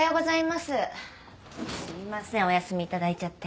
すみませんお休み頂いちゃって。